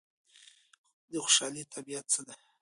د خوشحالۍ طبیعت څه دی؟